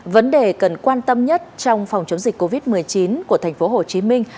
vấn đề cần quan tâm nhất trong phòng chống dịch covid một mươi chín của thành phố hồ chí minh